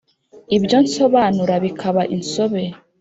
Ibyo nsobanura bikaba insobe